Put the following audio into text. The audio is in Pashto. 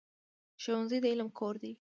ښوونځی د علم کور دی.